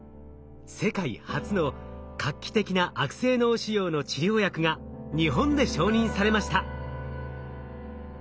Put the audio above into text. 世界初の画期的な悪性脳腫瘍の治療薬が日本で承認されました。